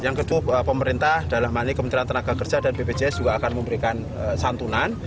yang kedua pemerintah dalam hal ini kementerian tenaga kerja dan bpjs juga akan memberikan santunan